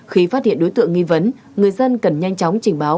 khi phát hiện đối tượng nghi vấn người dân cần nhanh chóng trình báo